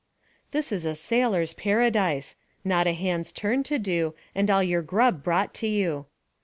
This is a sailor's paradise, not a hand's turn to do, and all your grub brought to you.